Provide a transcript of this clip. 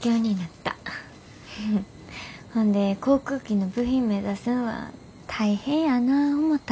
ほんで航空機の部品目指すんは大変やな思た。